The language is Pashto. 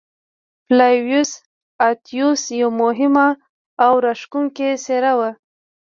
فلاویوس اتیوس یوه مهمه او راښکوونکې څېره وه.